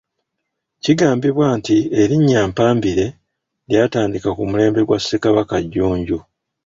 Kigambibwa nti erinnya 'Mpambire’ lyatandika ku mulembe gwa Ssekabaka Jjunju.